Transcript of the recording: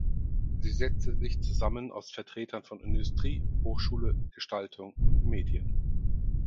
Sie setzte sich zusammen aus Vertretern von Industrie, Hochschule, Gestaltung und Medien.